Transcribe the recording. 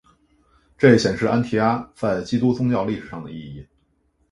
这显示安提阿在基督宗教历史上的意义。